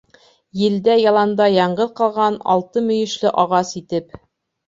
Елдә, яланда яңғыҙ ҡалған алты мөйөшлө ағас итеп.